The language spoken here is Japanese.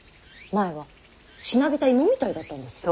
前はしなびた芋みたいだったんですよ。